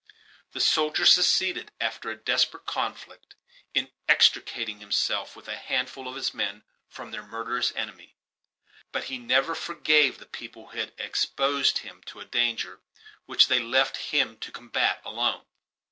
The soldier succeeded, after a desperate conflict, in extricating himself, with a handful of his men, from their murderous enemy; but he never for gave the people who had exposed him to a danger which they left him to combat alone.